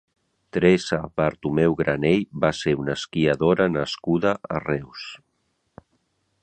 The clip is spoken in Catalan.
Teresa Bartomeu Granell va ser una esquiadora nascuda a Reus.